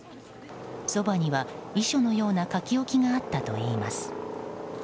そばには遺書のような書き置きがあったといいます。